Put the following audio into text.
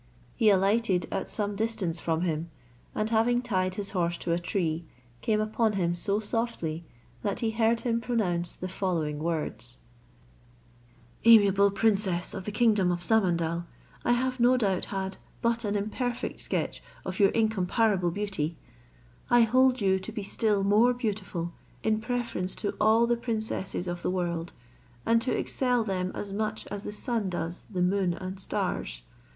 He alighted at some distance from him, and having tied his horse to a tree, came upon him so softly, that he heard him pronounce the following words: "Amiable princess of the kingdom of Samandal, I have no doubt had but an imperfect sketch of your incomparable beauty; I hold you to be still more beautiful in preference to all the princesses in the world, and to excel them as much as the sun does the moon and stars.